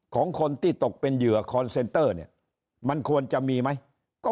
ของคนที่ตกเป็นเหยื่อคอนเซนเตอร์เนี่ยมันควรจะมีไหมก็